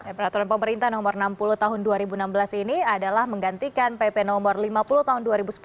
peraturan pemerintah nomor enam puluh tahun dua ribu enam belas ini adalah menggantikan pp no lima puluh tahun dua ribu sepuluh